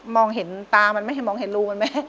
มองเห็นตามันไม่ให้มองเห็นรูมันไหม